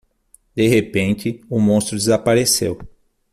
De repente, o monstro desapareceu.